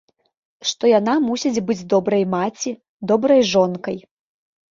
Што яна мусіць быць добрай маці, добрай жонкай.